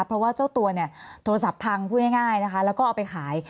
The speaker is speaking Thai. เพราะว่าเจ้าตัวเนี่ยโทรศัพท์พังพูดง่ายนะคะแล้วก็เอาไปขาย